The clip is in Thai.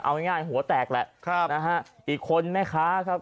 เอาง่ายหัวแตกแหละครับนะฮะอีกคนแม่ค้าครับ